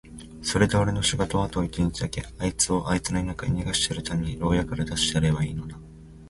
それでおれの仕事はあと一日だけ、あいつをあいつの田舎へ逃してやるために牢屋から出してやればいいのだ。